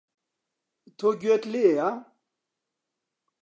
تۆ گوێت لێیە؟